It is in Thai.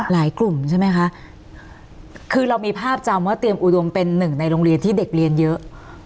กลุ่มใช่ไหมคะคือเรามีภาพจำว่าเตรียมอุดมเป็นหนึ่งในโรงเรียนที่เด็กเรียนเยอะ